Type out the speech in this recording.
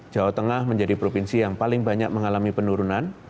jawa tengah menjadi provinsi yang paling banyak mengalami penurunan